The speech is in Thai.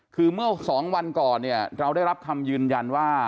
คือเมื่อ๒วันก่อนเนี่ยเราได้รับคำยืนยันว่า